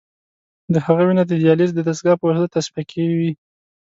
د هغه وینه د دیالیز د دستګاه په وسیله تصفیه کوي.